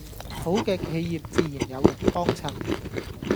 好嘅企業自然有人幫襯